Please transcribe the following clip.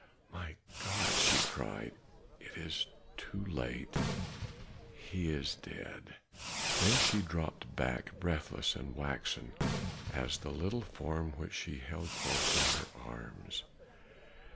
"My God!" she cried, "it is too late; he is dead." Then she dropped back breathless and waxen as the little form which she still held close in her arms.